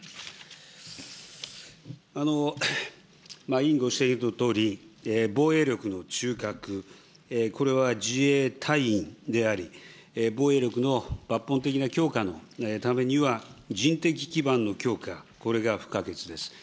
委員ご指摘のとおり、防衛力の中核、これは自衛隊員であり、防衛力の抜本的な強化のためには、人的基盤の強化、これが不可欠です。